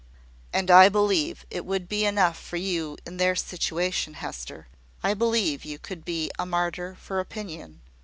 "And I believe it would be enough for you in their situation, Hester. I believe you could be a martyr for opinion.